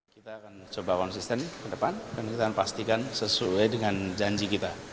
kita akan coba konsisten ke depan dan kita akan pastikan sesuai dengan janji kita